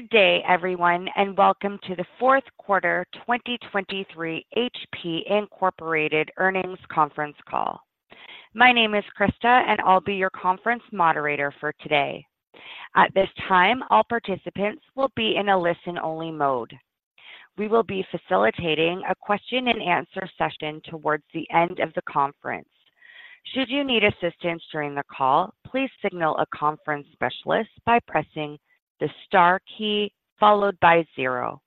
Good day, everyone, and welcome to the Fourth Quarter 2023 HP Incorporated Earnings Conference Call. My name is Krista, and I'll be your conference moderator for today. At this time, all participants will be in a listen-only mode. We will be facilitating a question and answer session towards the end of the conference. Should you need assistance during the call, please signal a conference specialist by pressing the star key, followed by zero.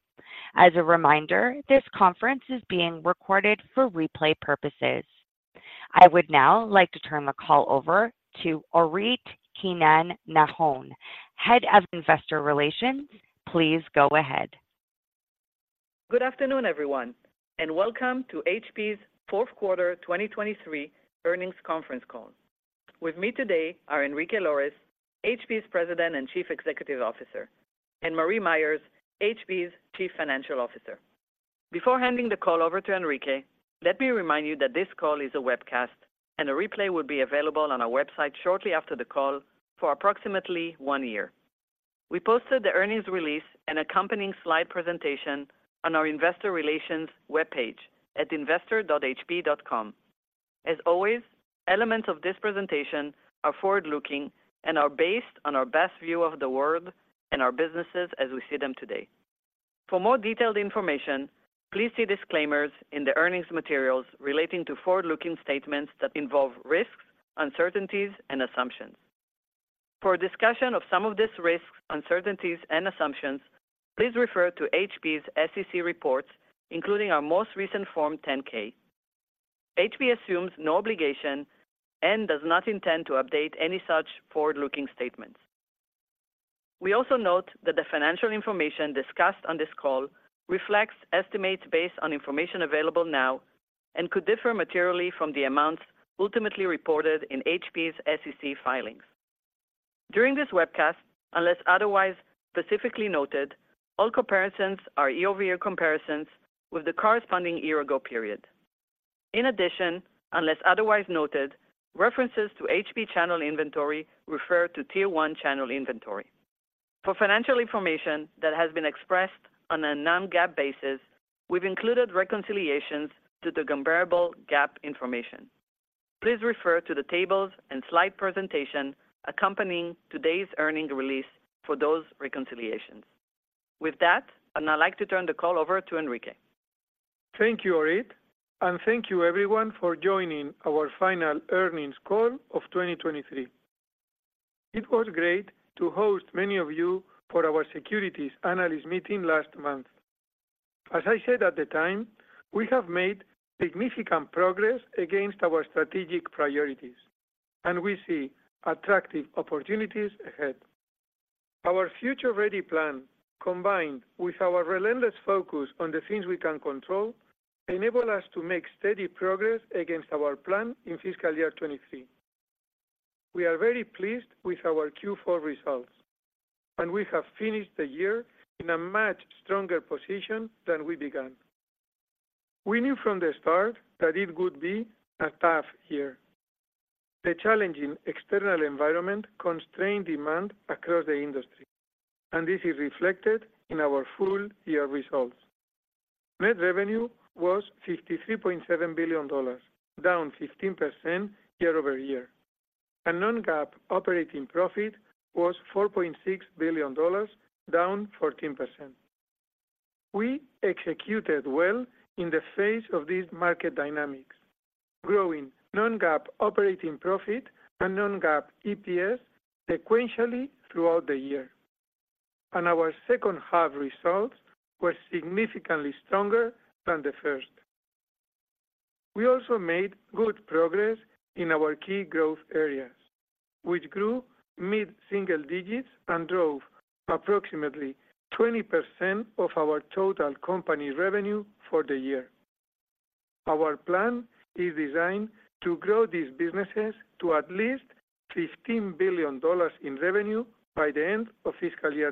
As a reminder, this conference is being recorded for replay purposes. I would now like to turn the call over to Orit Keinan-Nahon, Head of Investor Relations. Please go ahead. Good afternoon, everyone, and welcome to HP's fourth quarter 2023 earnings conference call. With me today are Enrique Lores, HP's President and Chief Executive Officer, and Marie Myers, HP's Chief Financial Officer. Before handing the call over to Enrique, let me remind you that this call is a webcast and a replay will be available on our website shortly after the call for approximately one year. We posted the earnings release and accompanying slide presentation on our investor relations webpage at investor.hp.com. As always, elements of this presentation are forward-looking and are based on our best view of the world and our businesses as we see them today. For more detailed information, please see disclaimers in the earnings materials relating to forward-looking statements that involve risks, uncertainties and assumptions. For a discussion of some of these risks, uncertainties and assumptions, please refer to HP's SEC reports, including our most recent Form 10-K. HP assumes no obligation and does not intend to update any such forward-looking statements. We also note that the financial information discussed on this call reflects estimates based on information available now and could differ materially from the amounts ultimately reported in HP's SEC filings. During this webcast, unless otherwise specifically noted, all comparisons are year-over-year comparisons with the corresponding year-ago period. In addition, unless otherwise noted, references to HP channel inventory refer to Tier One channel inventory. For financial information that has been expressed on a non-GAAP basis, we've included reconciliations to the comparable GAAP information. Please refer to the tables and slide presentation accompanying today's earnings release for those reconciliations. With that, I'd now like to turn the call over to Enrique. Thank you, Orit, and thank you everyone for joining our final earnings call of 2023. It was great to host many of you for our Securities Analyst Meeting last month. As I said at the time, we have made significant progress against our strategic priorities, and we see attractive opportunities ahead. Our Future Ready plan, combined with our relentless focus on the things we can control, enable us to make steady progress against our plan in fiscal year 2023. We are very pleased with our Q4 results, and we have finished the year in a much stronger position than we began. We knew from the start that it would be a tough year. The challenging external environment constrained demand across the industry, and this is reflected in our full year results. Net revenue was $53.7 billion, down 15% year-over-year, and non-GAAP operating profit was $4.6 billion, down 14%. We executed well in the face of these market dynamics, growing non-GAAP operating profit and non-GAAP EPS sequentially throughout the year, and our second half results were significantly stronger than the first. We also made good progress in our key growth areas, which grew mid-single digits and drove approximately 20% of our total company revenue for the year. Our plan is designed to grow these businesses to at least $15 billion in revenue by the end of fiscal year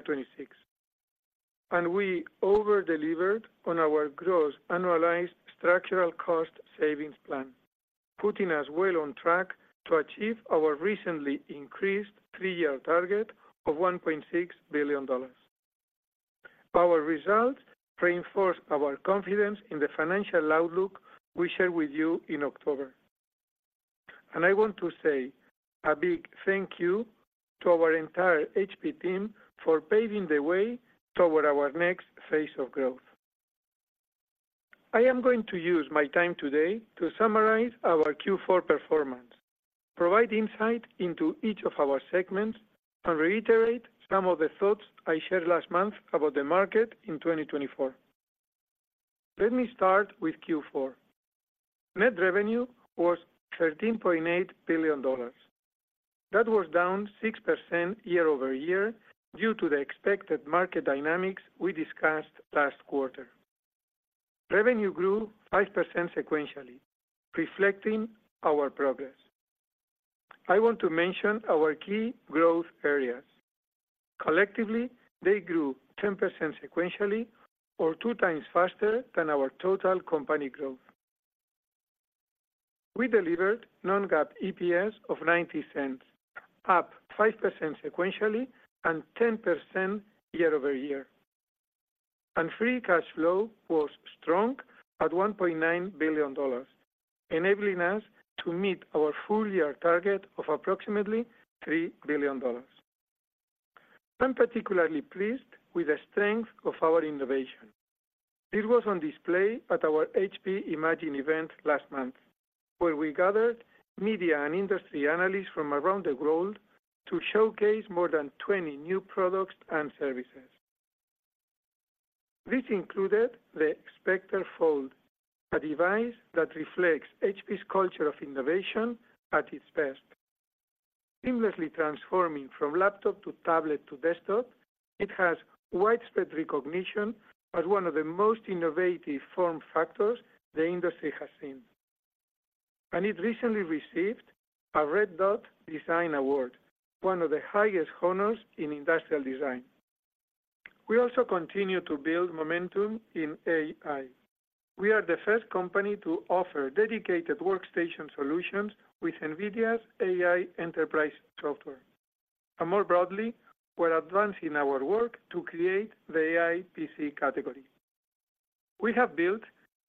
2026. We over-delivered on our gross annualized structural cost savings plan, putting us well on track to achieve our recently increased three-year target of $1.6 billion. Our results reinforce our confidence in the financial outlook we shared with you in October, and I want to say a big thank you to our entire HP team for paving the way toward our next phase of growth. I am going to use my time today to summarize our Q4 performance, provide insight into each of our segments, and reiterate some of the thoughts I shared last month about the market in 2024. Let me start with Q4. Net revenue was $13.8 billion. That was down 6% year-over-year due to the expected market dynamics we discussed last quarter. Revenue grew 5% sequentially, reflecting our progress. I want to mention our key growth areas. Collectively, they grew 10% sequentially or 2 times faster than our total company growth.... We delivered non-GAAP EPS of $0.90, up 5% sequentially and 10% year-over-year. Free cash flow was strong at $1.9 billion, enabling us to meet our full year target of approximately $3 billion. I'm particularly pleased with the strength of our innovation. It was on display at our HP Imagine event last month, where we gathered media and industry analysts from around the world to showcase more than 20 new products and services. This included the Spectre Fold, a device that reflects HP's culture of innovation at its best. Seamlessly transforming from laptop to tablet to desktop, it has widespread recognition as one of the most innovative form factors the industry has seen, and it recently received a Red Dot Design Award, one of the highest honors in industrial design. We also continue to build momentum in AI. We are the first company to offer dedicated workstation solutions with NVIDIA's AI Enterprise software. More broadly, we're advancing our work to create the AI PC category. We have built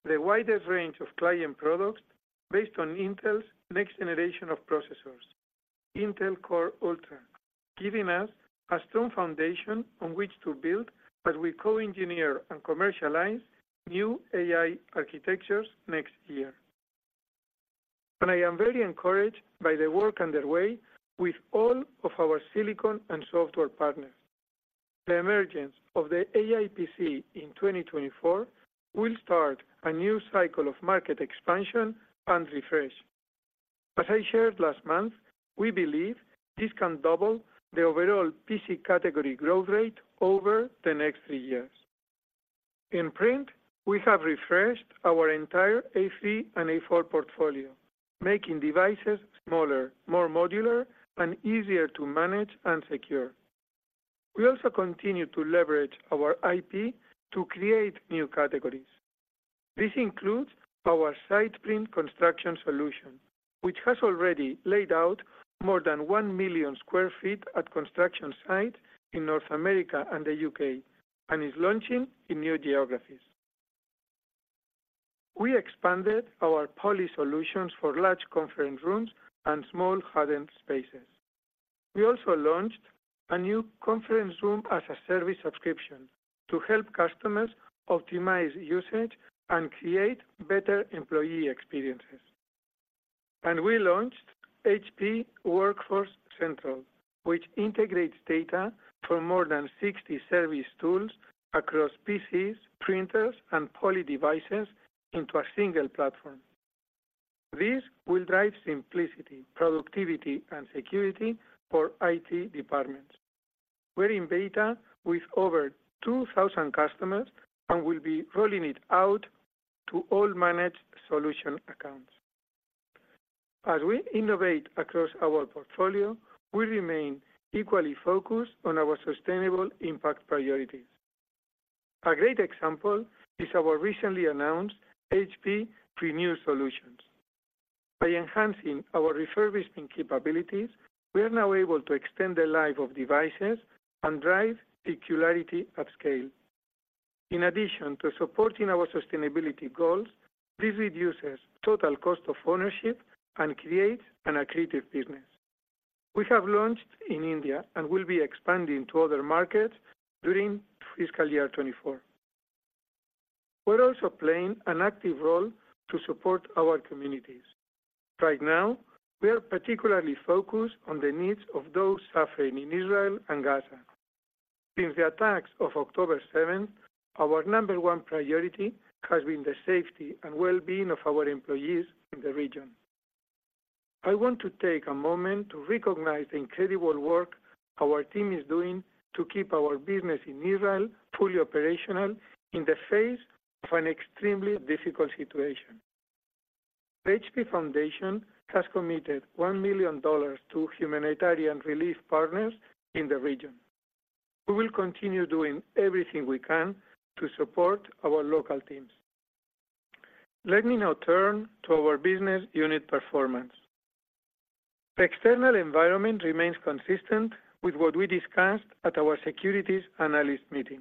the widest range of client products based on Intel's next generation of processors, Intel Core Ultra, giving us a strong foundation on which to build as we co-engineer and commercialize new AI architectures next year. I am very encouraged by the work underway with all of our silicon and software partners. The emergence of the AI PC in 2024 will start a new cycle of market expansion and refresh. As I shared last month, we believe this can double the overall PC category growth rate over the next three years. In Print, we have refreshed our entire A3 and A4 portfolio, making devices smaller, more modular, and easier to manage and secure. We also continue to leverage our IP to create new categories. This includes our SitePrint construction solution, which has already laid out more than 1 million sq ft at construction sites in North America and the UK, and is launching in new geographies. We expanded our Poly solutions for large conference rooms and small huddling spaces. We also launched a new conference room as a service subscription to help customers optimize usage and create better employee experiences. And we launched HP Workforce Central, which integrates data from more than 60 service tools across PCs, Printers, and Poly devices into a single platform. This will drive simplicity, productivity, and security for IT departments. We're in beta with over 2,000 customers, and we'll be rolling it out to all managed solution accounts. As we innovate across our portfolio, we remain equally focused on our sustainable impact priorities. A great example is our recently announced HP Renew Solutions. By enhancing our refurbishment capabilities, we are now able to extend the life of devices and drive circularity at scale. In addition to supporting our sustainability goals, this reduces total cost of ownership and creates an accretive business. We have launched in India and will be expanding to other markets during fiscal year 2024. We're also playing an active role to support our communities. Right now, we are particularly focused on the needs of those suffering in Israel and Gaza. Since the attacks of October seventh, our number one priority has been the safety and well-being of our employees in the region. I want to take a moment to recognize the incredible work our team is doing to keep our business in Israel fully operational in the face of an extremely difficult situation. The HP Foundation has committed $1 million to humanitarian relief partners in the region. We will continue doing everything we can to support our local teams. Let me now turn to our business unit performance. The external environment remains consistent with what we discussed at our Securities Analyst Meeting.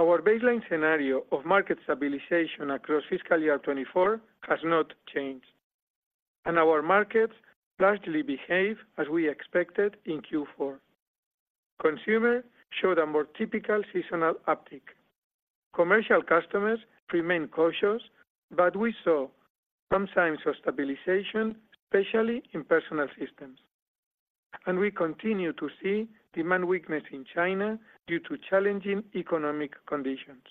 Our baseline scenario of market stabilization across fiscal year 2024 has not changed, and our markets largely behave as we expected in Q4. Consumer showed a more typical seasonal uptick. Commercial customers remain cautious, but we saw some signs of stabilization, especially in Personal Systems. We continue to see demand weakness in China due to challenging economic conditions.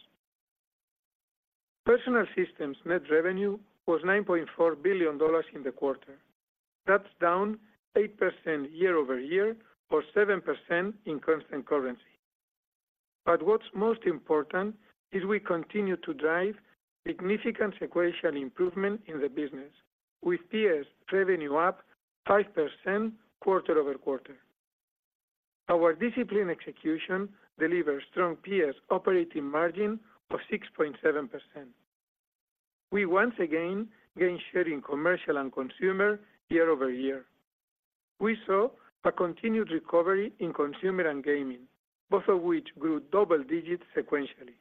Personal Systems net revenue was $9.4 billion in the quarter. That's down 8% year-over-year, or 7% in constant currency. But what's most important is we continue to drive significant sequential improvement in the business, with PS revenue up 5% quarter-over-quarter. Our disciplined execution delivered strong PS operating margin of 6.7%. We once again gained share in commercial and consumer year-over-year. We saw a continued recovery in consumer and gaming, both of which grew double digits sequentially.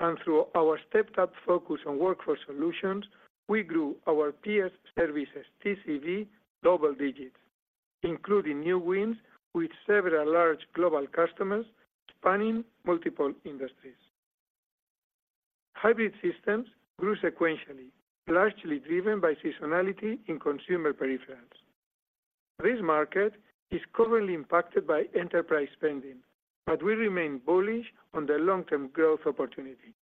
And through our stepped-up focus on workforce solutions, we grew our PS services TCV double digits, including new wins with several large global customers spanning multiple industries. Hybrid systems grew sequentially, largely driven by seasonality in consumer peripherals. This market is currently impacted by enterprise spending, but we remain bullish on the long-term growth opportunity.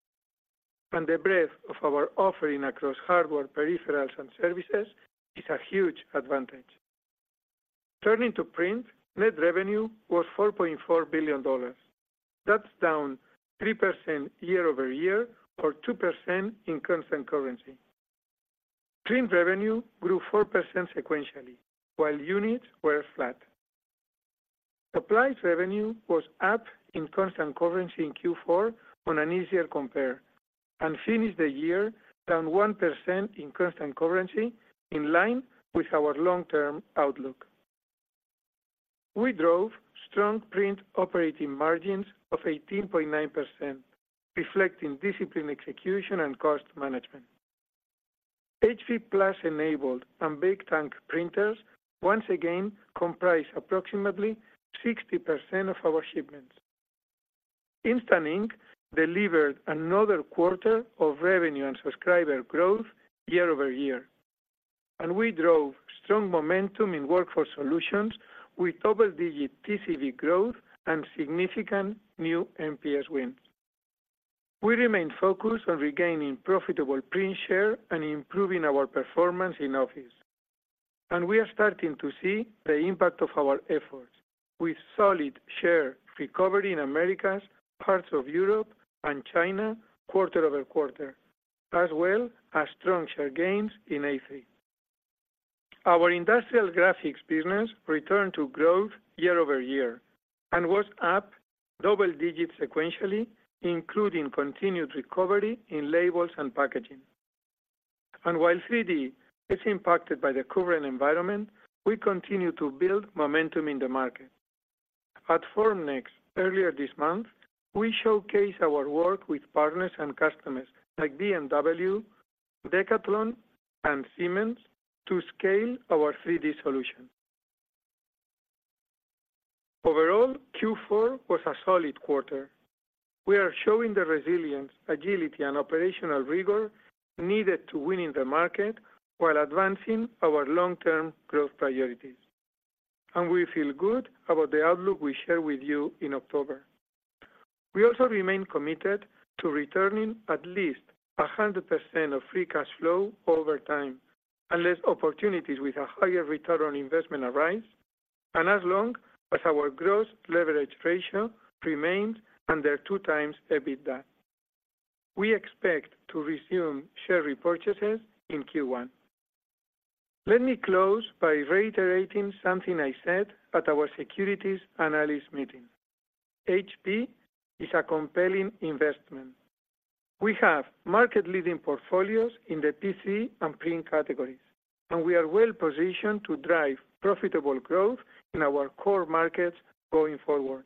And the breadth of our offering across hardware, peripherals, and services is a huge advantage. Turning to Print, net revenue was $4.4 billion. That's down 3% year-over-year, or 2% in Constant Currency. Print revenue grew 4% sequentially, while units were flat. Supplies revenue was up in Constant Currency in Q4 on an easier compare, and finished the year down 1% in Constant Currency, in line with our long-term outlook. We drove strong Print operating margins of 18.9%, reflecting disciplined execution and cost management. HP+ enabled and Big Tank printers once again comprised approximately 60% of our shipments. Instant Ink delivered another quarter of revenue and subscriber growth year-over-year, and we drove strong momentum in workforce solutions with double-digit TCV growth and significant new MPS wins. We remain focused on regaining profitable Print share and improving our performance in Office. We are starting to see the impact of our efforts, with solid share recovery in Americas, parts of Europe and China, quarter-over-quarter, as well as strong share gains in A3. Our Industrial Graphics business returned to growth year-over-year and was up double digits sequentially, including continued recovery in labels and packaging. While 3D is impacted by the current environment, we continue to build momentum in the market. At Formnext, earlier this month, we showcased our work with partners and customers like BMW, Decathlon, and Siemens to scale our 3D solution. Overall, Q4 was a solid quarter. We are showing the resilience, agility, and operational rigor needed to win in the market while advancing our long-term growth priorities. We feel good about the outlook we shared with you in October. We also remain committed to returning at least 100% of free cash flow over time, unless opportunities with a higher return on investment arise, and as long as our gross leverage ratio remains under 2x EBITDA. We expect to resume share repurchases in Q1. Let me close by reiterating something I said at our Securities Analyst Meeting. HP is a compelling investment. We have market-leading portfolios in the PC and Print categories, and we are well positioned to drive profitable growth in our core markets going forward.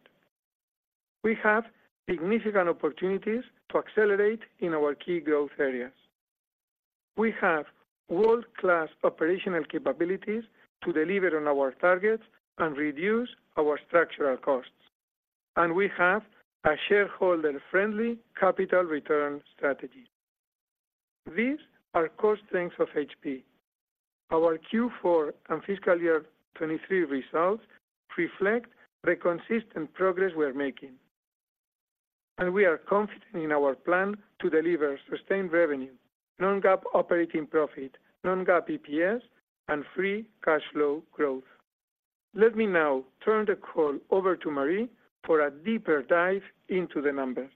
We have significant opportunities to accelerate in our key growth areas. We have world-class operational capabilities to deliver on our targets and reduce our structural costs, and we have a shareholder-friendly capital return strategy. These are core strengths of HP. Our Q4 and fiscal year 2023 results reflect the consistent progress we are making, and we are confident in our plan to deliver sustained revenue, non-GAAP operating profit, non-GAAP EPS, and free cash flow growth. Let me now turn the call over to Marie for a deeper dive into the numbers.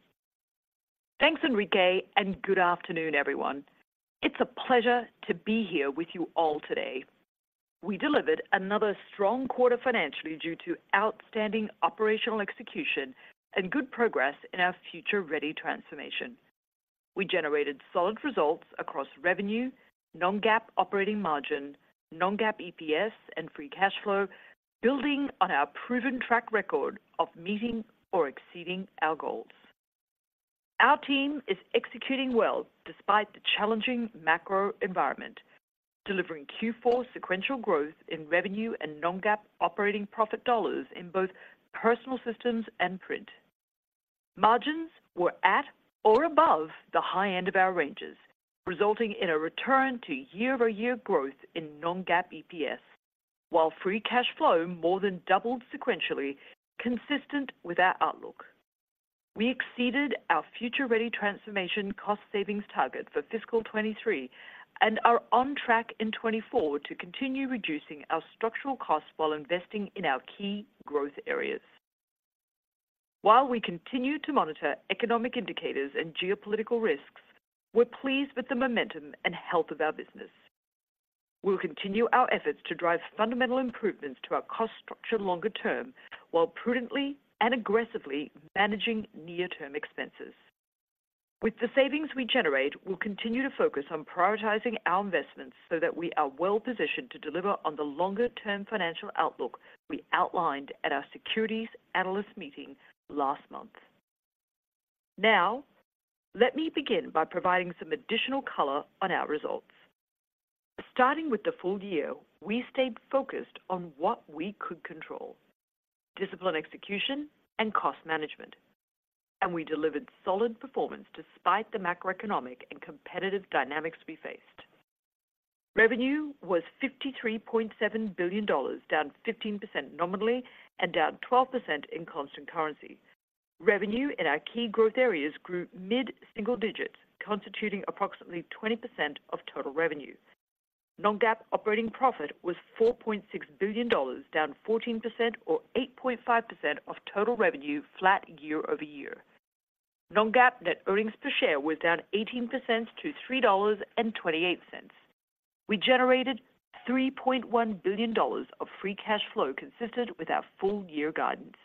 Thanks, Enrique, and good afternoon, everyone. It's a pleasure to be here with you all today. We delivered another strong quarter financially due to outstanding operational execution and good progress in our Future Ready Transformation. We generated solid results across revenue, non-GAAP operating margin, non-GAAP EPS, and free cash flow, building on our proven track record of meeting or exceeding our goals. Our team is executing well despite the challenging macro environment, delivering Q4 sequential growth in revenue and non-GAAP operating profit dollars in both Personal Systems and Print. Margins were at or above the high end of our ranges, resulting in a return to year-over-year growth in non-GAAP EPS, while free cash flow more than doubled sequentially, consistent with our outlook. We exceeded our Future Ready Transformation cost savings target for fiscal 2023 and are on track in 2024 to continue reducing our structural costs while investing in our key growth areas. While we continue to monitor economic indicators and geopolitical risks, we're pleased with the momentum and health of our business. We'll continue our efforts to drive fundamental improvements to our cost structure longer term, while prudently and aggressively managing near-term expenses. With the savings we generate, we'll continue to focus on prioritizing our investments so that we are well positioned to deliver on the longer-term financial outlook we outlined at our Securities Analyst Meeting last month. Now, let me begin by providing some additional color on our results. Starting with the full year, we stayed focused on what we could control: discipline, execution, and cost management. We delivered solid performance despite the macroeconomic and competitive dynamics we faced. Revenue was $53.7 billion, down 15% nominally and down 12% in constant currency. Revenue in our key growth areas grew mid-single digits, constituting approximately 20% of total revenue. Non-GAAP operating profit was $4.6 billion, down 14% or 8.5% of total revenue flat year-over-year. Non-GAAP net earnings per share was down 18% to $3.28. We generated $3.1 billion of free cash flow, consistent with our full-year guidance,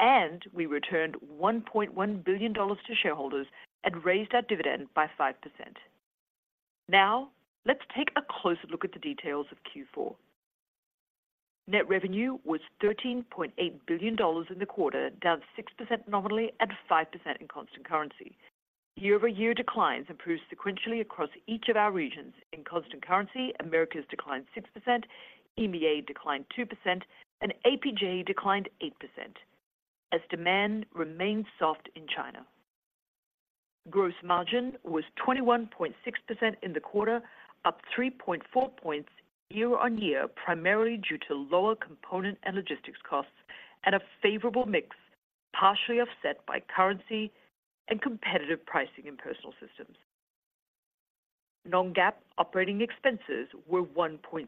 and we returned $1.1 billion to shareholders and raised our dividend by 5%. Now, let's take a closer look at the details of Q4. Net revenue was $13.8 billion in the quarter, down 6% nominally and 5% in constant currency. Year-over-year declines improved sequentially across each of our regions. In constant currency, Americas declined 6%, EMEA declined 2%, and APJ declined 8%, as demand remained soft in China. Gross margin was 21.6% in the quarter, up 3.4 points year-on-year, primarily due to lower component and logistics costs and a favorable mix, partially offset by currency and competitive pricing in Personal Systems. Non-GAAP operating expenses were $1.7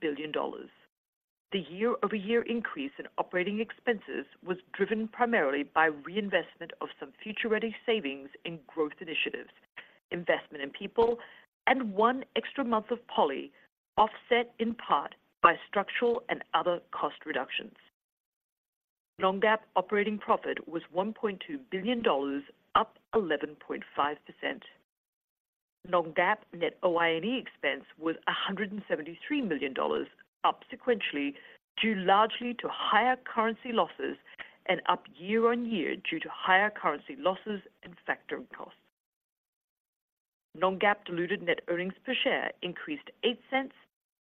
billion. The year-over-year increase in operating expenses was driven primarily by reinvestment of some future-ready savings in growth initiatives, investment in people, and one extra month of Poly, offset in part by structural and other cost reductions. Non-GAAP operating profit was $1.2 billion, up 11.5%. Non-GAAP net OIE expense was $173 million, up sequentially due largely to higher currency losses and up year-on-year due to higher currency losses and factoring costs. Non-GAAP diluted net earnings per share increased $0.08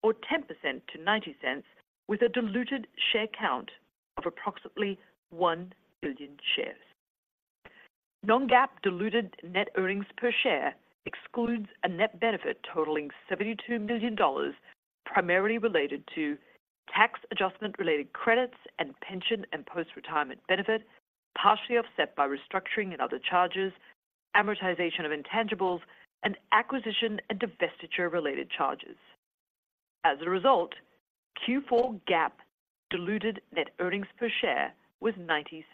or 10% to $0.90, with a diluted share count of approximately 1 billion shares. Non-GAAP diluted net earnings per share excludes a net benefit totaling $72 million, primarily related to tax adjustment-related credits and pension and post-retirement benefits, partially offset by restructuring and other charges, amortization of intangibles, and acquisition and divestiture-related charges. As a result, Q4 GAAP diluted net earnings per share was $0.97.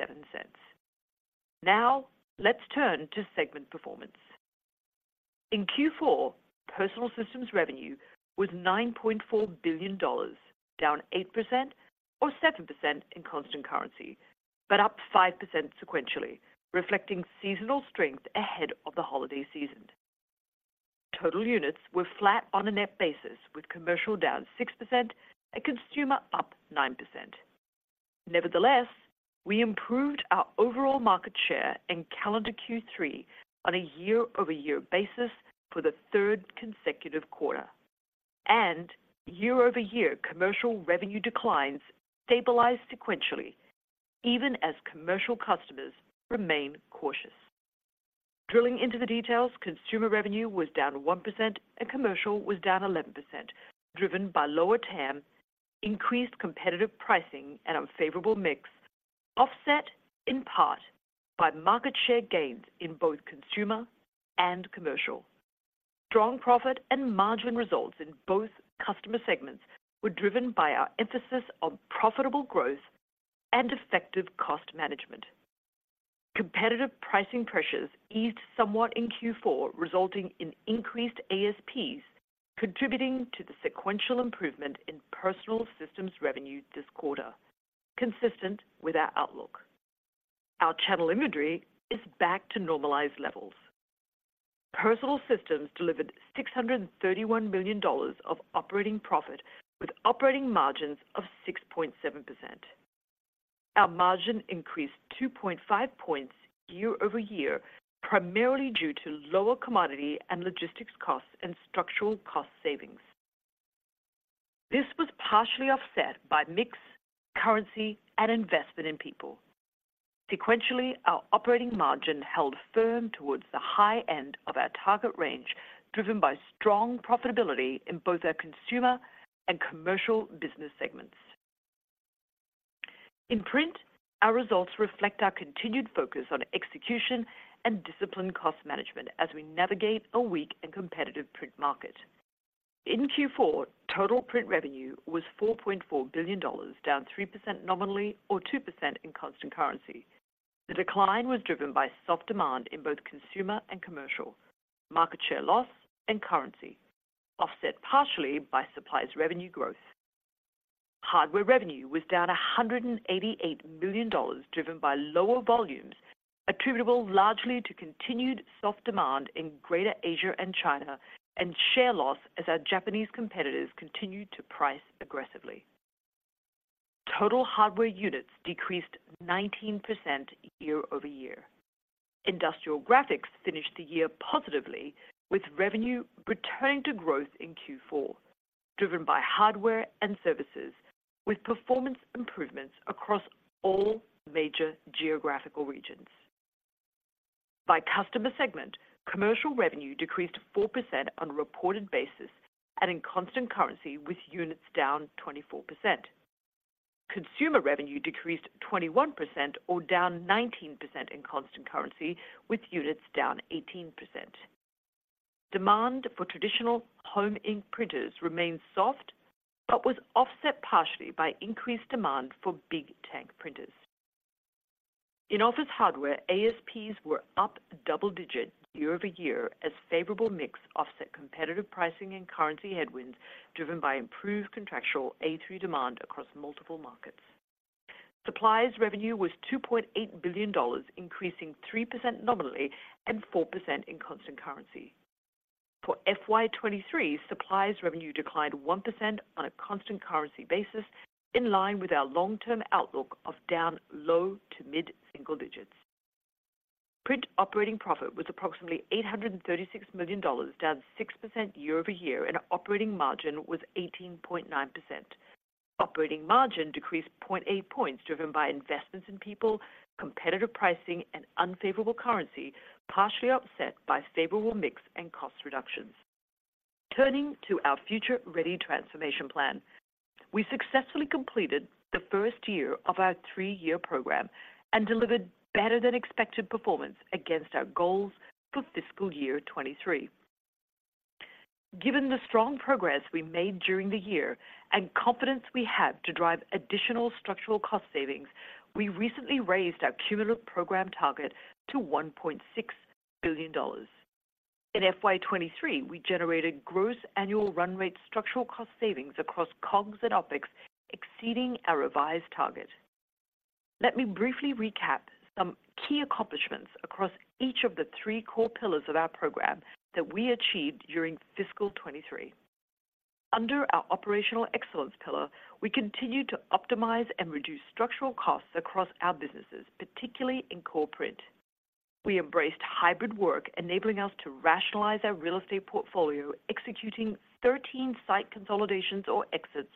Now, let's turn to segment performance. In Q4, Personal Systems revenue was $9.4 billion, down 8% or 7% in constant currency, but up 5% sequentially, reflecting seasonal strength ahead of the holiday season. Total units were flat on a net basis, with commercial down 6% and consumer up 9%. Nevertheless, we improved our overall market share in calendar Q3 on a year-over-year basis for the third consecutive quarter, and year-over-year commercial revenue declines stabilized sequentially, even as commercial customers remain cautious. Drilling into the details, consumer revenue was down 1% and commercial was down 11%, driven by lower TAM, increased competitive pricing, and unfavorable mix, offset in part by market share gains in both consumer and commercial. Strong profit and margin results in both customer segments were driven by our emphasis on profitable growth and effective cost management. Competitive pricing pressures eased somewhat in Q4, resulting in increased ASPs, contributing to the sequential improvement in Personal Systems revenue this quarter, consistent with our outlook. Our channel inventory is back to normalized levels. Personal Systems delivered $631 million of operating profit, with operating margins of 6.7%. Our margin increased 2.5 points year-over-year, primarily due to lower commodity and logistics costs and structural cost savings. This was partially offset by mix, currency, and investment in people. Sequentially, our operating margin held firm towards the high end of our target range, driven by strong profitability in both our consumer and commercial business segments. In Print, our results reflect our continued focus on execution and disciplined cost management as we navigate a weak and competitive Print market. In Q4, total Print revenue was $4.4 billion, down 3% nominally or 2% in constant currency. The decline was driven by soft demand in both consumer and commercial, market share loss and currency, offset partially by supplies revenue growth. Hardware revenue was down $188 million, driven by lower volumes, attributable largely to continued soft demand in Greater Asia and China, and share loss as our Japanese competitors continued to price aggressively. Total hardware units decreased 19% year-over-year. Industrial graphics finished the year positively, with revenue returning to growth in Q4, driven by hardware and services, with performance improvements across all major geographical regions. By customer segment, commercial revenue decreased 4% on a reported basis and in constant currency, with units down 24%. Consumer revenue decreased 21% or down 19% in constant currency, with units down 18%. Demand for traditional home ink Printers remained soft, but was offset partially by increased demand for Big Tank printers. In office hardware, ASPs were up double digits year-over-year, as favorable mix offset competitive pricing and currency headwinds, driven by improved contractual A3 demand across multiple markets. Supplies revenue was $2.8 billion, increasing 3% nominally and 4% in constant currency. For FY 2023, supplies revenue declined 1% on a constant currency basis, in line with our long-term outlook of down low- to mid-single digits. Print operating profit was approximately $836 million, down 6% year-over-year, and operating margin was 18.9%. Operating margin decreased 0.8 points, driven by investments in people, competitive pricing and unfavorable currency, partially offset by favorable mix and cost reductions. Turning to our future-ready transformation plan, we successfully completed the first year of our three-year program and delivered better-than-expected performance against our goals for fiscal year 2023. Given the strong progress we made during the year and confidence we have to drive additional structural cost savings, we recently raised our cumulative program target to $1.6 billion. In FY 2023, we generated gross annual run rate structural cost savings across COGS and OpEx, exceeding our revised target. Let me briefly recap some key accomplishments across each of the three core pillars of our program that we achieved during fiscal 2023. Under our operational excellence pillar, we continued to optimize and reduce structural costs across our businesses, particularly in Core Print. We embraced hybrid work, enabling us to rationalize our real estate portfolio, executing 13 site consolidations or exits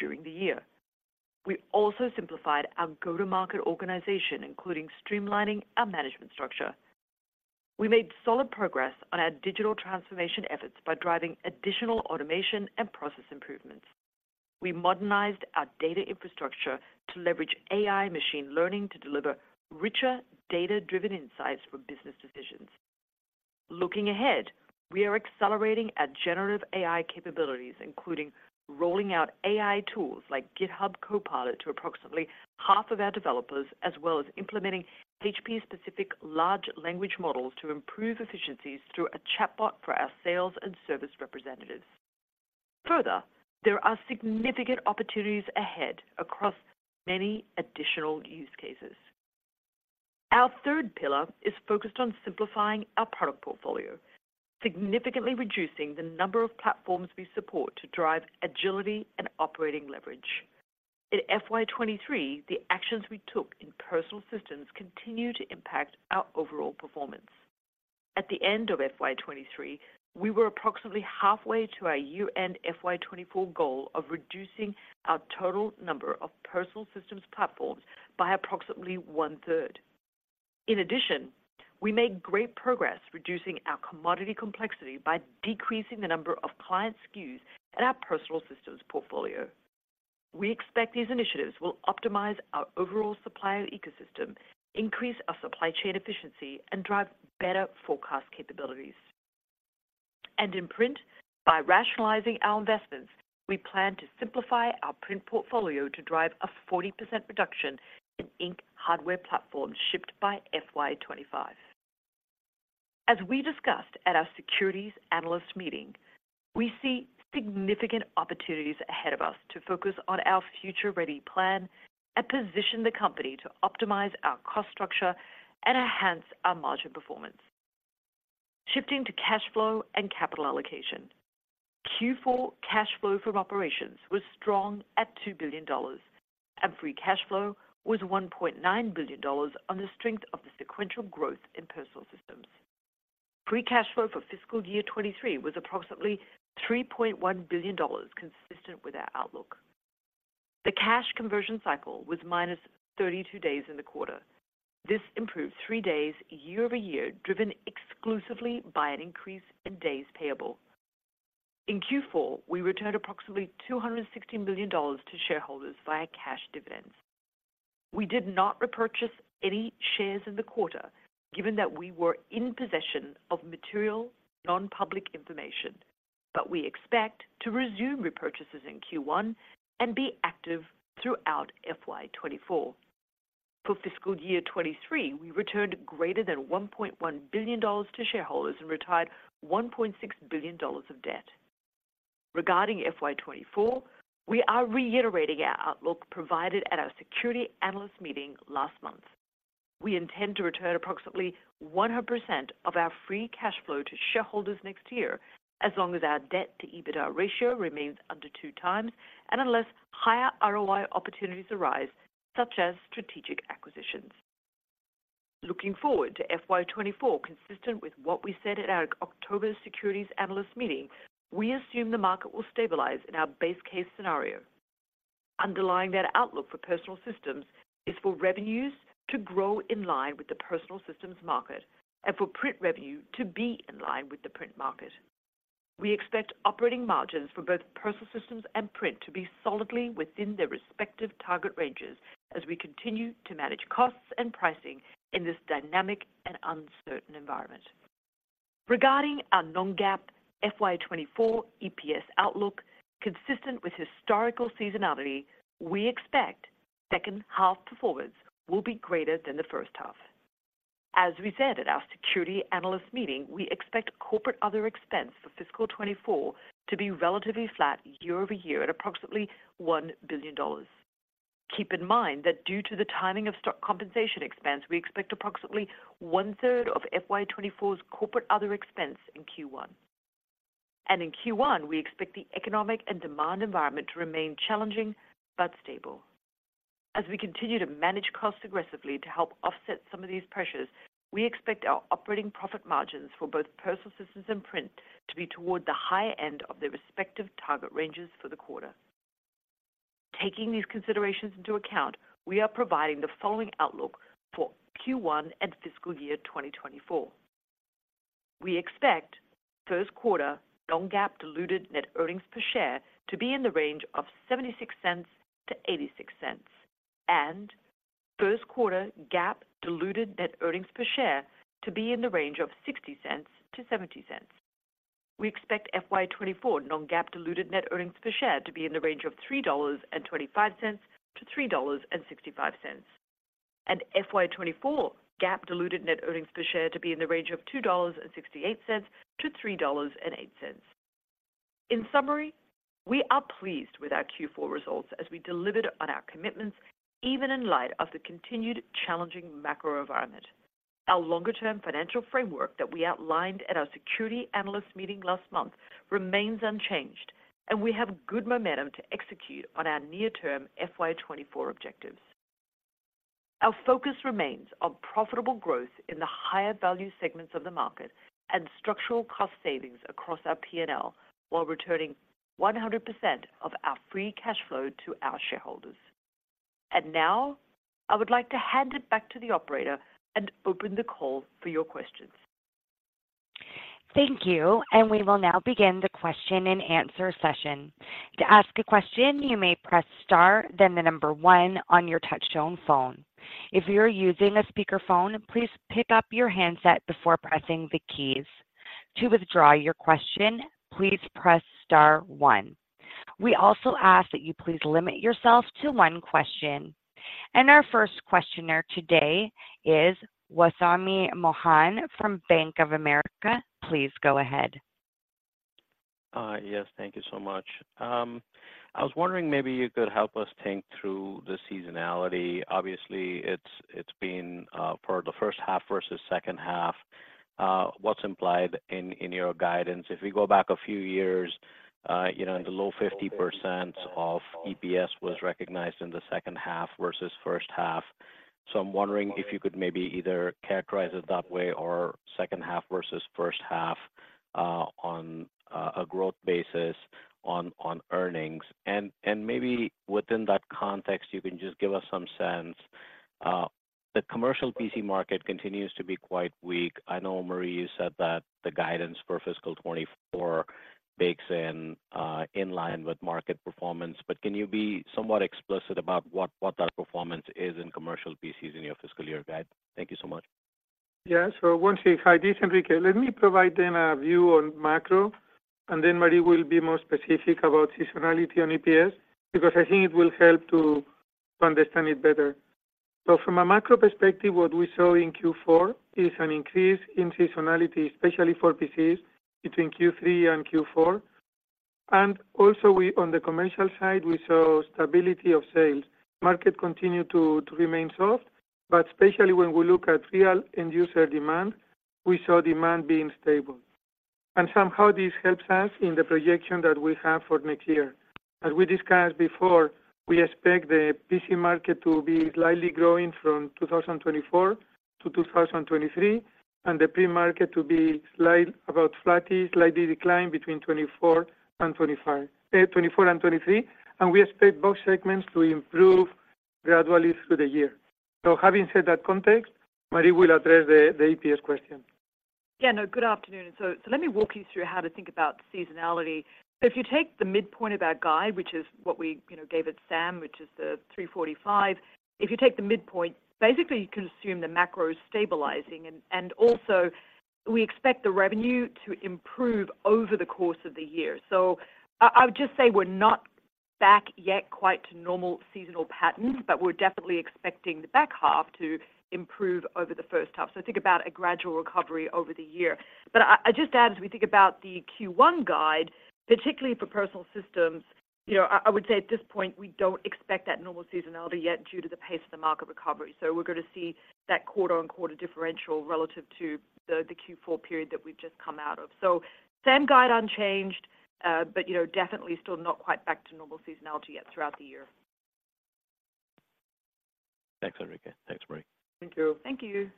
during the year. We also simplified our go-to-market organization, including streamlining our management structure. We made solid progress on our digital transformation efforts by driving additional automation and process improvements. We modernized our data infrastructure to leverage AI machine learning to deliver richer, data-driven insights for business decisions. Looking ahead, we are accelerating our generative AI capabilities, including rolling out AI tools like GitHub Copilot to approximately half of our developers, as well as implementing HP-specific large language models to improve efficiencies through a chatbot for our sales and service representatives. Further, there are significant opportunities ahead across many additional use cases. Our third pillar is focused on simplifying our product portfolio, significantly reducing the number of platforms we support to drive agility and operating leverage. In FY 2023, the actions we took in Personal Systems continue to impact our overall performance. At the end of FY 2023, we were approximately halfway to our year-end FY 2024 goal of reducing our total number of Personal Systems platforms by approximately one-third. In addition, we made great progress reducing our commodity complexity by decreasing the number of client SKUs in our Personal Systems portfolio. We expect these initiatives will optimize our overall supplier ecosystem, increase our supply chain efficiency, and drive better forecast capabilities. And in Print, by rationalizing our investments, we plan to simplify our Print portfolio to drive a 40% reduction in ink hardware platforms shipped by FY 2025. As we discussed at our Securities Analyst Meeting, we see significant opportunities ahead of us to focus on our Future Ready plan and position the company to optimize our cost structure and enhance our margin performance. Shifting to cash flow and capital allocation. Q4 cash flow from operations was strong at $2 billion, and free cash flow was $1.9 billion on the strength of the sequential growth in Personal Systems. Free cash flow for fiscal year 2023 was approximately $3.1 billion, consistent with our outlook. The cash conversion cycle was -32 days in the quarter. This improved 3 days year-over-year, driven exclusively by an increase in days payable. In Q4, we returned approximately $260 million to shareholders via cash dividends.... We did not repurchase any shares in the quarter, given that we were in possession of material, non-public information. But we expect to resume repurchases in Q1 and be active throughout FY 2024. For fiscal year 2023, we returned greater than $1.1 billion to shareholders and retired $1.6 billion of debt. Regarding FY 2024, we are reiterating our outlook provided at our Securities Analyst Meeting last month. We intend to return approximately 100% of our free cash flow to shareholders next year, as long as our debt to EBITDA ratio remains under 2x and unless higher ROI opportunities arise, such as strategic acquisitions. Looking forward to FY 2024, consistent with what we said at our October Securities Analyst Meeting, we assume the market will stabilize in our base case scenario. Underlying that outlook for Personal Systems is for revenues to grow in line with the Personal Systems market and for Print revenue to be in line with the Print market. We expect operating margins for both Personal Systems and Print to be solidly within their respective target ranges as we continue to manage costs and pricing in this dynamic and uncertain environment. Regarding our non-GAAP FY 2024 EPS outlook, consistent with historical seasonality, we expect second half performance will be greater than the first half. As we said at our Securities Analyst Meeting, we expect Corporate Other expense for fiscal 2024 to be relatively flat year-over-year at approximately $1 billion. Keep in mind that due to the timing of stock compensation expense, we expect approximately one-third of FY 2024's Corporate Other expense in Q1. In Q1, we expect the economic and demand environment to remain challenging but stable. As we continue to manage costs aggressively to help offset some of these pressures, we expect our operating profit margins for both Personal Systems and Print to be toward the higher end of their respective target ranges for the quarter. Taking these considerations into account, we are providing the following outlook for Q1 and fiscal year 2024. We expect first quarter non-GAAP diluted net earnings per share to be in the range of $0.76-$0.86, and first quarter GAAP diluted net earnings per share to be in the range of $0.60-$0.70. We expect FY 2024 non-GAAP diluted net earnings per share to be in the range of $3.25-$3.65, and FY 2024 GAAP diluted net earnings per share to be in the range of $2.68-$3.08. In summary, we are pleased with our Q4 results as we delivered on our commitments, even in light of the continued challenging macro environment. Our longer-term financial framework that we outlined at our Securities Analyst Meeting last month remains unchanged, and we have good momentum to execute on our near-term FY 2024 objectives. Our focus remains on profitable growth in the higher value segments of the market and structural cost savings across our P&L, while returning 100% of our free cash flow to our shareholders. And now, I would like to hand it back to the operator and open the call for your questions. Thank you, and we will now begin the question-and-answer session. To ask a question, you may press star, then the number one on your touchtone phone. If you're using a speakerphone, please pick up your handset before pressing the keys. To withdraw your question, please press star one. We also ask that you please limit yourself to one question. Our first questioner today is Wamsi Mohan from Bank of America. Please go ahead. Yes, thank you so much. I was wondering maybe you could help us think through the seasonality. Obviously, it's been for the first half versus second half, what's implied in your guidance? If we go back a few years, you know, the low 50% of EPS was recognized in the second half versus first half. So I'm wondering if you could maybe either characterize it that way or second half versus first half, on a growth basis on earnings, and maybe within that context, you can just give us some sense. The commercial PC market continues to be quite weak. I know, Marie, you said that the guidance for fiscal 2024 bakes in, in line with market performance, but can you be somewhat explicit about what that performance is in commercial PCs in your fiscal year guide? Thank you so much. Yeah. Hi, this is Enrique. Let me provide them a view on macro, and then Marie will be more specific about seasonality on EPS, because I think it will help to understand it better. So from a macro perspective, what we saw in Q4 is an increase in seasonality, especially for PCs between Q3 and Q4. And on the commercial side, we saw stability of sales. Market continued to remain soft, but especially when we look at real end user demand, we saw demand being stable. And somehow this helps us in the projection that we have for next year. As we discussed before, we expect the PC market to be slightly growing from 2024 to 2023, and the Print market to be slightly declined between 2024 and 2025, 2024 and 2023. We expect both segments to improve gradually through the year. Having said that context, Marie will address the EPS question. ... Yeah, no, good afternoon. So, so let me walk you through how to think about seasonality. So if you take the midpoint of our guide, which is what we, you know, gave at SAM, which is the $345, if you take the midpoint, basically you consume the macro stabilizing, and, and also we expect the revenue to improve over the course of the year. So I, I would just say we're not back yet quite to normal seasonal patterns, but we're definitely expecting the back half to improve over the first half. So think about a gradual recovery over the year. But I, I'd just add, as we think about the Q1 guide, particularly for Personal Systems, you know, I, I would say at this point, we don't expect that normal seasonality yet due to the pace of the market recovery. So we're going to see that quarter-on-quarter differential relative to the Q4 period that we've just come out of. So same guide unchanged, but, you know, definitely still not quite back to normal seasonality yet throughout the year. Thanks, Enrique. Thanks, Marie. Thank you. Thank you.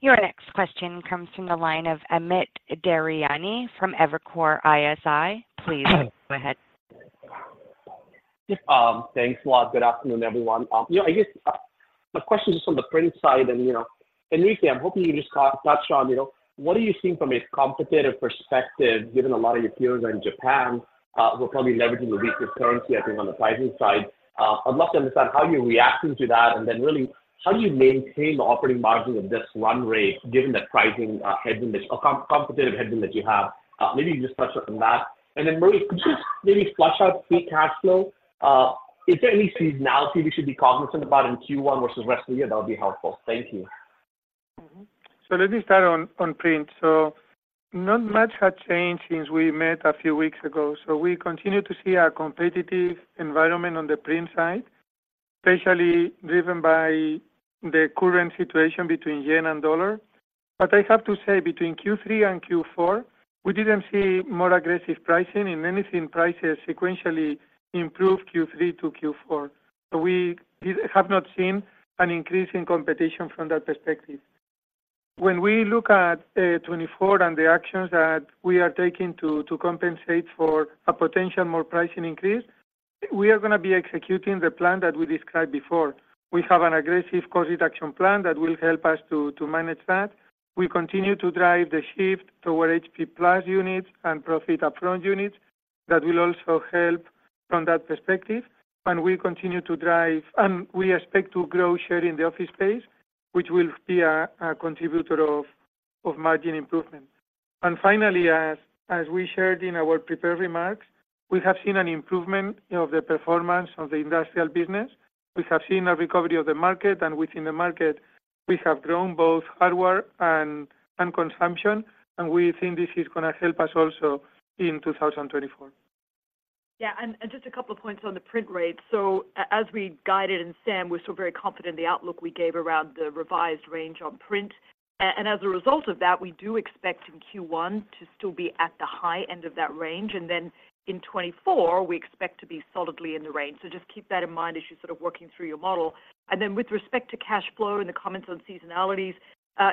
Your next question comes from the line of Amit Daryanani from Evercore ISI. Please go ahead. Yep, thanks a lot. Good afternoon, everyone. You know, I guess, my question is just on the Print side, and, you know, Enrique, I'm hoping you just touch on, you know, what are you seeing from a competitive perspective, given a lot of your peers in Japan will probably leverage the weaker currency, I think, on the pricing side? I'd love to understand how you're reacting to that, and then really, how do you maintain the operating margin at this run rate, given the pricing headwind, or competitive headwind that you have? Maybe you just touch on that. And then, Marie, could you just maybe flesh out free cash flow? Is there any seasonality we should be cognizant about in Q1 versus the rest of the year? That would be helpful. Thank you. Mm-hmm. So let me start on Print. So not much has changed since we met a few weeks ago, so we continue to see a competitive environment on the Print side, especially driven by the current situation between yen and dollar. But I have to say, between Q3 and Q4, we didn't see more aggressive pricing. In many things, prices sequentially improved Q3 to Q4. So we have not seen an increase in competition from that perspective. When we look at 2024 and the actions that we are taking to compensate for a potential more pricing increase, we are gonna be executing the plan that we described before. We have an aggressive cost reduction plan that will help us to manage that. We continue to drive the shift toward HP+ units and Profit Upfront units. That will also help from that perspective. We continue to drive... We expect to grow share in the office space, which will be a contributor of margin improvement. And finally, as we shared in our prepared remarks, we have seen an improvement in the performance of the industrial business. We have seen a recovery of the market, and within the market, we have grown both hardware and consumption, and we think this is gonna help us also in 2024. Yeah, and just a couple of points on the Print rate. So as we guided in SAM, we're still very confident in the outlook we gave around the revised range on Print. And as a result of that, we do expect in Q1 to still be at the high end of that range, and then in 2024, we expect to be solidly in the range. So just keep that in mind as you're sort of working through your model. And then with respect to cash flow and the comments on seasonalities,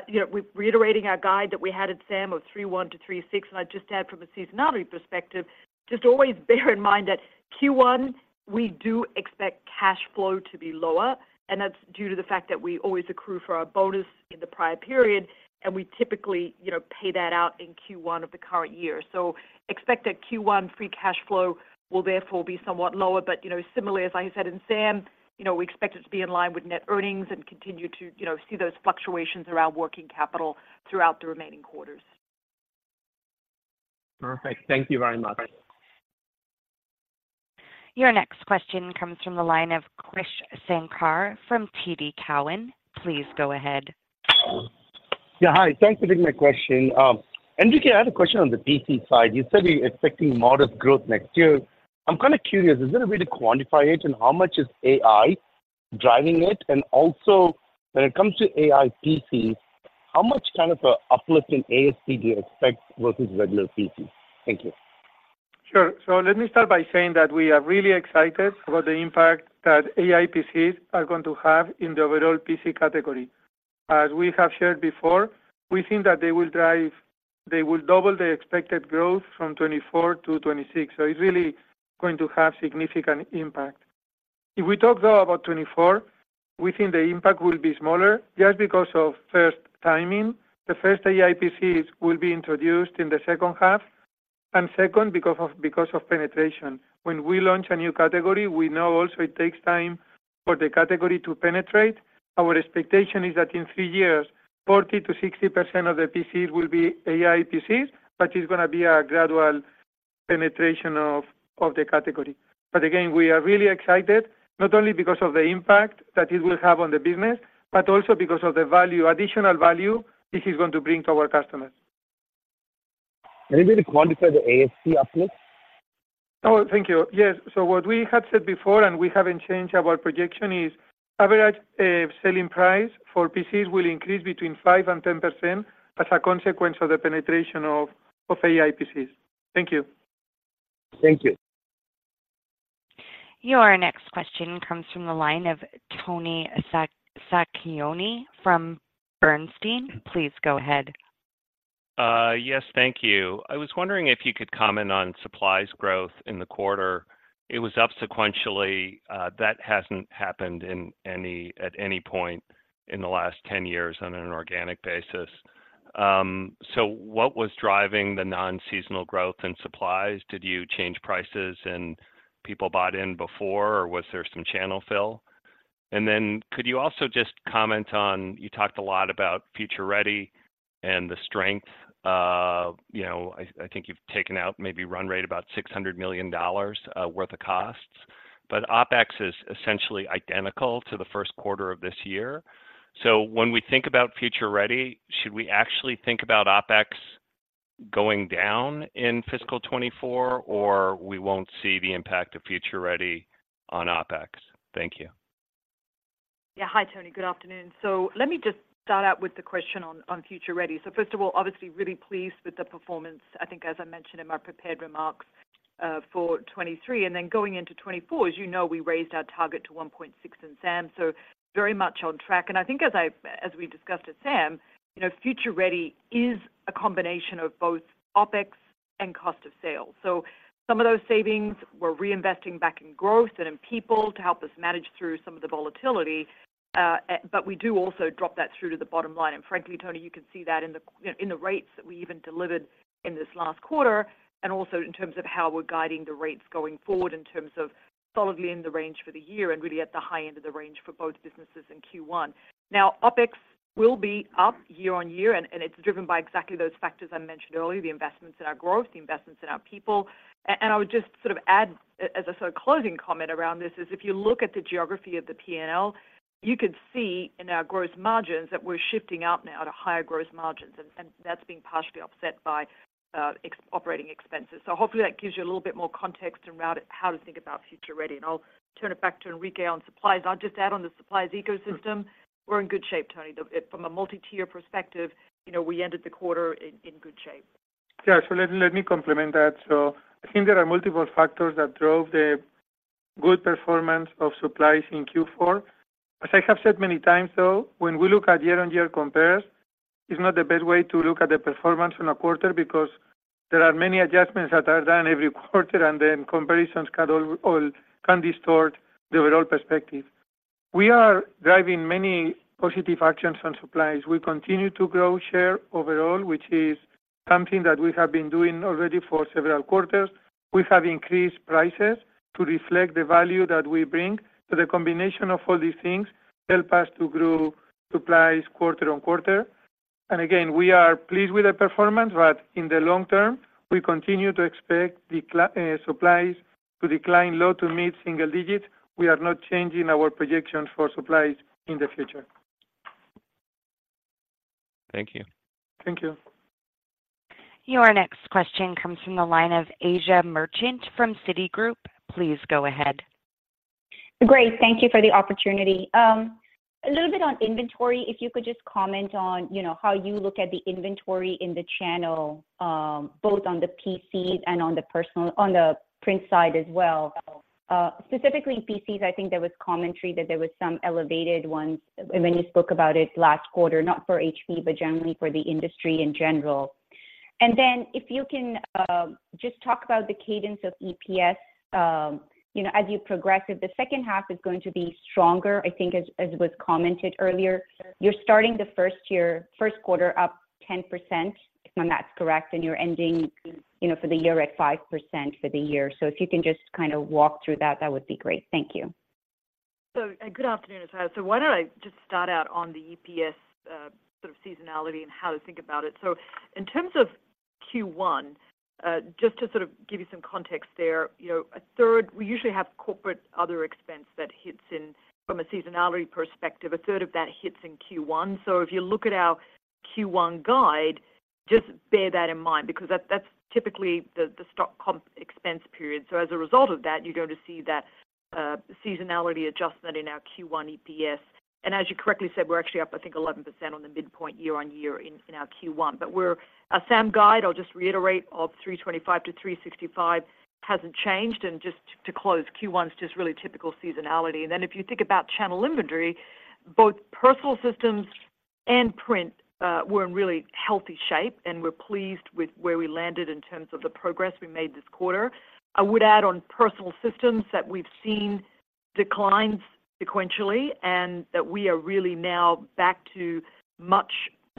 you know, we're reiterating our guide that we had at SAM of $3.1 billion-$3.6 billion. I'd just add from a seasonality perspective, just always bear in mind that Q1, we do expect cash flow to be lower, and that's due to the fact that we always accrue for our bonus in the prior period, and we typically, you know, pay that out in Q1 of the current year. So expect that Q1 free cash flow will therefore be somewhat lower. But, you know, similarly, as I said in SAM, you know, we expect it to be in line with net earnings and continue to, you know, see those fluctuations around working capital throughout the remaining quarters. Perfect. Thank you very much. Bye. Your next question comes from the line of Krish Sankar from TD Cowen. Please go ahead. Yeah, hi. Thanks for taking my question. Enrique, I had a question on the PC side. You said you're expecting modest growth next year. I'm kind of curious, is there a way to quantify it, and how much is AI driving it? And also, when it comes to AI PCs, how much kind of a uplift in ASP do you expect versus regular PCs? Thank you. Sure. So let me start by saying that we are really excited about the impact that AI PCs are going to have in the overall PC category. As we have shared before, we think that they will double the expected growth from 2024 to 2026, so it's really going to have significant impact. If we talk, though, about 2024, we think the impact will be smaller just because of, first, timing. The first AI PCs will be introduced in the second half, and second, because of penetration. When we launch a new category, we know also it takes time for the category to penetrate. Our expectation is that in three years, 40%-60% of the PCs will be AI PCs, but it's gonna be a gradual penetration of the category. But again, we are really excited, not only because of the impact that it will have on the business, but also because of the value, additional value this is going to bring to our customers. Maybe to quantify the ASC uplift? Oh, thank you. Yes. So what we had said before, and we haven't changed our projection, is average selling price for PCs will increase between 5% and 10% as a consequence of the penetration of AI PCs. Thank you. Thank you. Your next question comes from the line of Toni Sacconaghi from Bernstein. Please go ahead.... yes, thank you. I was wondering if you could comment on supplies growth in the quarter. It was up sequentially, that hasn't happened at any point in the last 10 years on an organic basis. So what was driving the non-seasonal growth in supplies? Did you change prices and people bought in before or was there some channel fill? And then could you also just comment on, you talked a lot about Future Ready and the strength. You know, I think you've taken out maybe run rate about $600 million worth of costs, but OpEx is essentially identical to the first quarter of this year. So when we think about Future Ready, should we actually think about OpEx going down in fiscal 2024, or we won't see the impact of Future Ready on OpEx? Thank you. Yeah. Hi, Toni. Good afternoon. So let me just start out with the question on Future Ready. So first of all, obviously, really pleased with the performance, I think as I mentioned in my prepared remarks for 2023, and then going into 2024, as you know, we raised our target to 1.6 in SAM, so very much on track. And I think as we discussed at SAM, you know, Future Ready is a combination of both OpEx and cost of sales. So some of those savings we're reinvesting back in growth and in people to help us manage through some of the volatility. But we do also drop that through to the bottom line. And frankly, Toni, you can see that in the, you know, in the rates that we even delivered in this last quarter, and also in terms of how we're guiding the rates going forward in terms of solidly in the range for the year and really at the high end of the range for both businesses in Q1. Now, OpEx will be up year on year, and it's driven by exactly those factors I mentioned earlier, the investments in our growth, the investments in our people. And I would just sort of add as a sort of closing comment around this, is if you look at the geography of the P&L, you could see in our growth margins that we're shifting out now to higher growth margins, and that's being partially offset by operating expenses. So hopefully that gives you a little bit more context around how to think about Future Ready. And I'll turn it back to Enrique on supplies. I'll just add on the supplies ecosystem, we're in good shape, Tony. The, from a multi-tier perspective, you know, we ended the quarter in good shape. Yeah. So let me compliment that. So I think there are multiple factors that drove the good performance of supplies in Q4. As I have said many times, though, when we look at year-on-year compares, it's not the best way to look at the performance in a quarter because there are many adjustments that are done every quarter, and then comparisons can all can distort the overall perspective. We are driving many positive actions on supplies. We continue to grow share overall, which is something that we have been doing already for several quarters. We have increased prices to reflect the value that we bring. So the combination of all these things help us to grow supplies quarter-on-quarter. And again, we are pleased with the performance, but in the long term, we continue to expect the supplies to decline low to mid single digits. We are not changing our projections for supplies in the future. Thank you. Thank you. Your next question comes from the line of Asiya Merchant from Citigroup. Please go ahead. Great. Thank you for the opportunity. A little bit on inventory, if you could just comment on, you know, how you look at the inventory in the channel, both on the PCs and on the Print side as well. Specifically in PCs, I think there was commentary that there was some elevated ones when you spoke about it last quarter, not for HP, but generally for the industry in general. And then if you can, just talk about the cadence of EPS. You know, as you progress, if the second half is going to be stronger, I think as was commented earlier, you're starting the first year, first quarter up 10%, if when that's correct, and you're ending, you know, for the year at 5% for the year. So if you can just kind of walk through that, that would be great. Thank you. Good afternoon, Asiya. Why don't I just start out on the EPS, sort of seasonality and how to think about it? In terms of Q1, just to sort of give you some context there, you know, a third... We usually have Corporate Other expense that hits in, from a seasonality perspective, a third of that hits in Q1. If you look at our Q1 guide, just bear that in mind because that's typically the stock comp expense period. As a result of that, you're going to see that seasonality adjustment in our Q1 EPS. And as you correctly said, we're actually up, I think, 11% on the midpoint year-on-year in our Q1. But we're a SAM guide, I'll just reiterate, of $3.25-$3.65, hasn't changed. Just to close, Q1 is just really typical seasonality. Then if you think about channel inventory, both Personal Systems and Print, were in really healthy shape, and we're pleased with where we landed in terms of the progress we made this quarter. I would add on Personal Systems that we've seen declines sequentially, and that we are really now back to much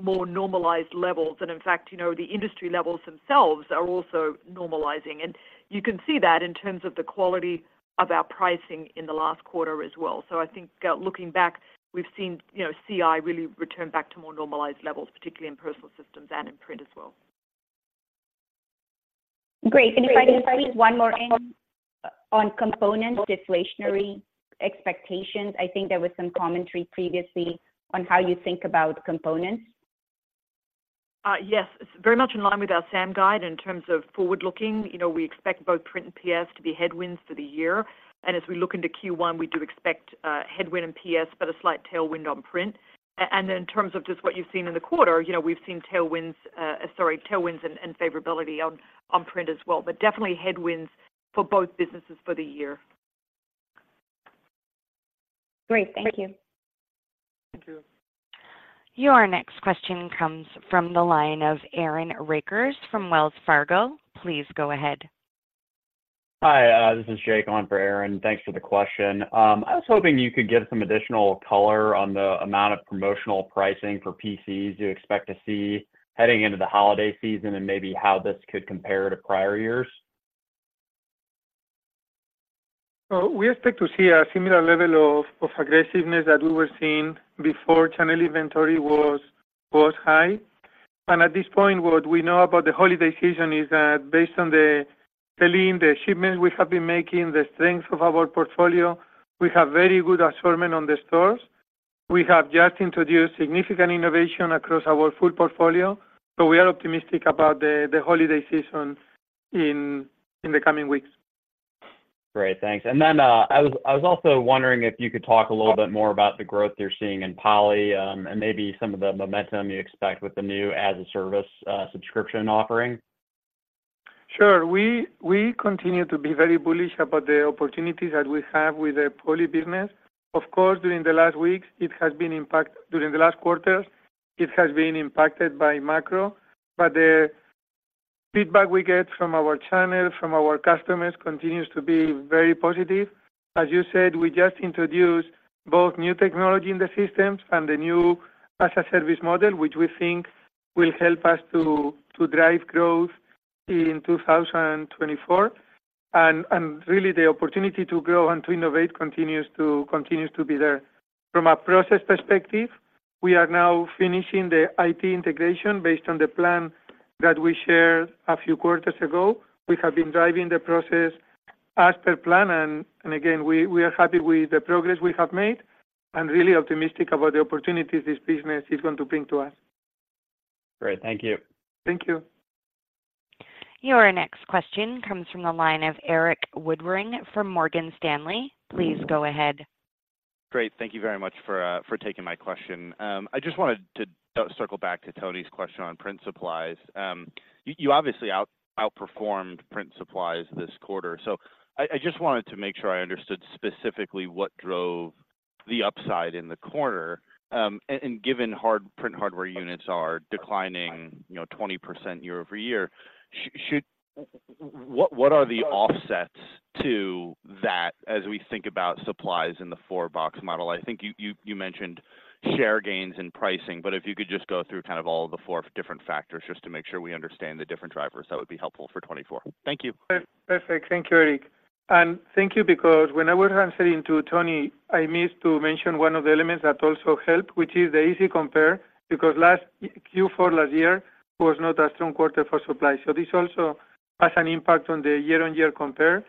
more normalized levels. And in fact, you know, the industry levels themselves are also normalizing, and you can see that in terms of the quality of our pricing in the last quarter as well. So I think, looking back, we've seen, you know, CI really return back to more normalized levels, particularly in Personal Systems and in Print as well. Great. If I can ask just one more on component deflationary expectations. I think there was some commentary previously on how you think about components. Yes, it's very much in line with our SAM guide in terms of forward-looking. You know, we expect both Print and PS to be headwinds for the year. And as we look into Q1, we do expect headwind in PS, but a slight tailwind on Print. And in terms of just what you've seen in the quarter, you know, we've seen tailwinds and favorability on Print as well, but definitely headwinds for both businesses for the year.... Great. Thank you. Thank you. Your next question comes from the line of Aaron Rakers from Wells Fargo. Please go ahead. Hi, this is Jake on for Aaron. Thanks for the question. I was hoping you could give some additional color on the amount of promotional pricing for PCs you expect to see heading into the holiday season and maybe how this could compare to prior years. So we expect to see a similar level of aggressiveness that we were seeing before channel inventory was high. And at this point, what we know about the holiday season is that based on the selling, the shipments we have been making, the strength of our portfolio, we have very good assortment on the stores. We have just introduced significant innovation across our full portfolio, so we are optimistic about the holiday season in the coming weeks. Great, thanks. And then, I was also wondering if you could talk a little bit more about the growth you're seeing in Poly, and maybe some of the momentum you expect with the new as-a-service subscription offering. Sure. We continue to be very bullish about the opportunities that we have with the Poly business. Of course, during the last quarters, it has been impacted by macro, but the feedback we get from our channels, from our customers continues to be very positive. As you said, we just introduced both new technology in the systems and the new as-a-service model, which we think will help us to drive growth in 2024. And really, the opportunity to grow and to innovate continues to be there. From a process perspective, we are now finishing the IT integration based on the plan that we shared a few quarters ago. We have been driving the process as per plan, and again, we are happy with the progress we have made and really optimistic about the opportunities this business is going to bring to us. Great. Thank you. Thank you. Your next question comes from the line of Erik Woodring from Morgan Stanley. Please go ahead. Great. Thank you very much for taking my question. I just wanted to circle back to Toni's question on Print supplies. You obviously outperformed Print supplies this quarter, so I just wanted to make sure I understood specifically what drove the upside in the quarter. And given Print hardware units are declining, you know, 20% year-over-year, should—what are the offsets to that as we think about supplies in the four-box model? I think you mentioned share gains in pricing, but if you could just go through kind of all the four different factors just to make sure we understand the different drivers, that would be helpful for 2024. Thank you. Perfect. Thank you, Erik. And thank you, because when I was answering to Toni, I missed to mention one of the elements that also helped, which is the easy compare, because last Q4 last year was not a strong quarter for supply. So this also has an impact on the year-on-year compare.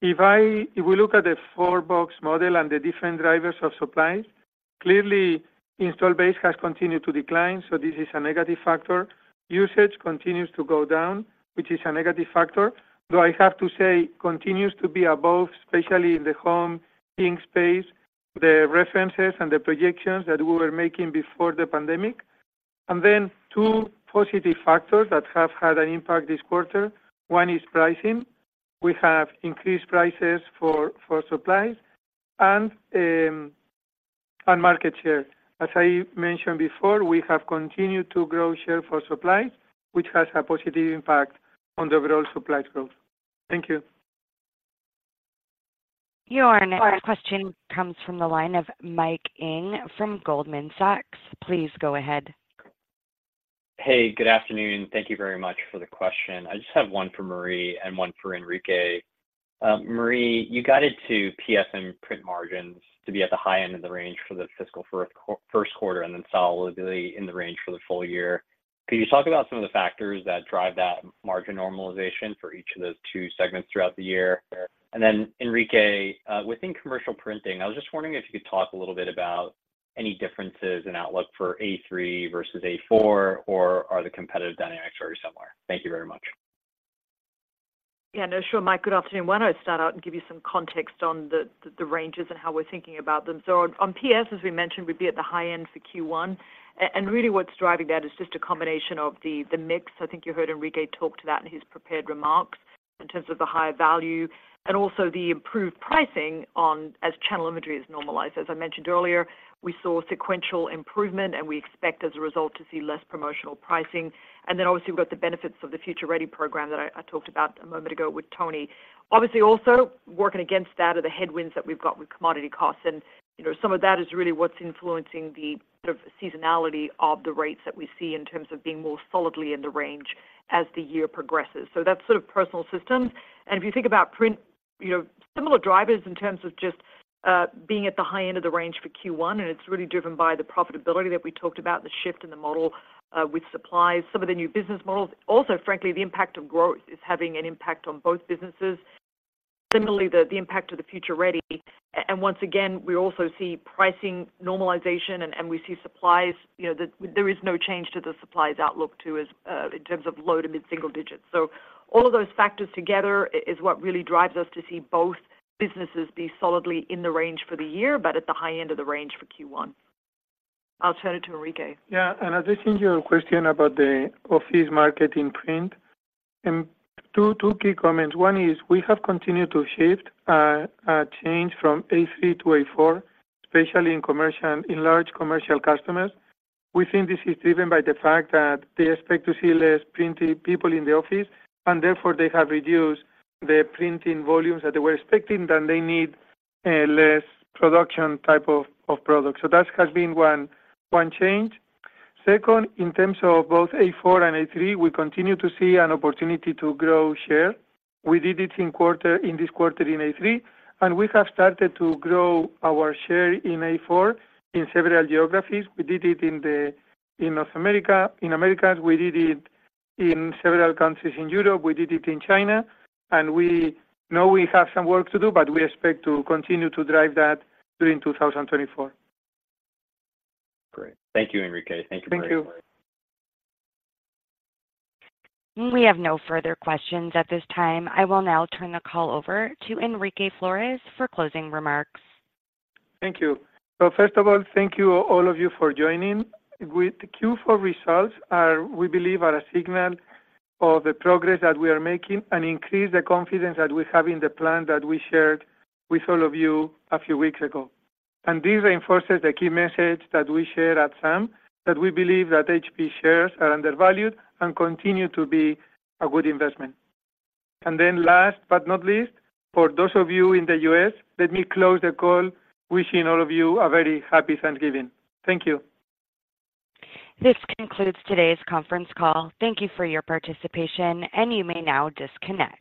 If we look at the four-box model and the different drivers of supply, clearly, install base has continued to decline, so this is a negative factor. Usage continues to go down, which is a negative factor, though I have to say, continues to be above, especially in the home Printing space, the references and the projections that we were making before the pandemic. And then two positive factors that have had an impact this quarter. One is pricing. We have increased prices for supplies and market share. As I mentioned before, we have continued to grow share for supplies, which has a positive impact on the overall supply growth. Thank you. Your next question comes from the line of Michael Ng from Goldman Sachs. Please go ahead. Hey, good afternoon. Thank you very much for the question. I just have one for Marie and one for Enrique. Marie, you guided to PS and Print margins to be at the high end of the range for the fiscal first quarter and then solidly in the range for the full year. Could you talk about some of the factors that drive that margin normalization for each of those two segments throughout the year? And then, Enrique, within commercial Printing, I was just wondering if you could talk a little bit about any differences in outlook for A3 versus A4, or are the competitive dynamics very similar? Thank you very much. Yeah, no, sure, Mike. Good afternoon. Why don't I start out and give you some context on the ranges and how we're thinking about them? So on PS, as we mentioned, we'd be at the high end for Q1. And really, what's driving that is just a combination of the mix. I think you heard Enrique talk to that in his prepared remarks, in terms of the higher value and also the improved pricing on ASP, as channel inventory is normalized. As I mentioned earlier, we saw sequential improvement, and we expect, as a result, to see less promotional pricing. And then obviously, we've got the benefits of the Future Ready program that I talked about a moment ago with Tony. Obviously, also working against that are the headwinds that we've got with commodity costs, and, you know, some of that is really what's influencing the sort of seasonality of the rates that we see in terms of being more solidly in the range as the year progresses. So that's sort of Personal Systems. And if you think about Print, you know, similar drivers in terms of just being at the high end of the range for Q1, and it's really driven by the profitability that we talked about, the shift in the model with supplies, some of the new business models. Also, frankly, the impact of growth is having an impact on both businesses. Similarly, the impact of the Future Ready. And once again, we also see pricing normalization, and we see supplies, you know, that there is no change to the supplies outlook too, as in terms of low to mid-single digits. So all of those factors together is what really drives us to see both businesses be solidly in the range for the year, but at the high end of the range for Q1. I'll turn it to Enrique. Yeah, and addressing your question about the office market in Print, and two, two key comments. One is we have continued to shift, a change from A3 to A4, especially in commercial—in large commercial customers. We think this is driven by the fact that they expect to see less Printing people in the office, and therefore they have reduced the Printing volumes that they were expecting, then they need, less production type of, of products. So that has been one, one change. Second, in terms of both A4 and A3, we continue to see an opportunity to grow share. We did it in quarter, in this quarter in A3, and we have started to grow our share in A4 in several geographies. We did it in the, in North America. In Americas, we did it in several countries in Europe, we did it in China, and we know we have some work to do, but we expect to continue to drive that during 2024. Great. Thank you, Enrique. Thank you very much. Thank you. We have no further questions at this time. I will now turn the call over to Enrique Lores for closing remarks. Thank you. So first of all, thank you, all of you, for joining. With the Q4 results, we believe, are a signal of the progress that we are making and increase the confidence that we have in the plan that we shared with all of you a few weeks ago. This reinforces the key message that we share at SAM, that we believe that HP shares are undervalued and continue to be a good investment. Then last but not least, for those of you in the U.S., let me close the call wishing all of you a very happy Thanksgiving. Thank you. This concludes today's conference call. Thank you for your participation, and you may now disconnect.